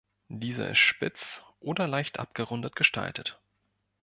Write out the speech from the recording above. Dieser ist spitz oder leicht abgerundet gestaltet.